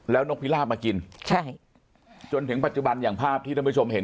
แล้วนกพิราบมากินใช่จนถึงปัจจุบันอย่างภาพที่ท่านผู้ชมเห็น